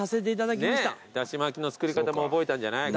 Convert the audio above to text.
だし巻きの作り方も覚えたんじゃない？